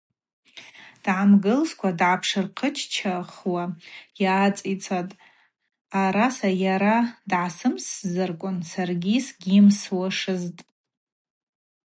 Дгӏамгылхскӏва датагӏапшвырхъыччахуа йгӏацицӏатӏ араса: йара дгӏасымсзарквын саргьи сыгьйымсуашызтӏ.